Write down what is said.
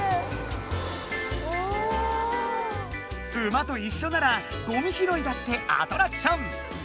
馬といっしょならゴミひろいだってアトラクション！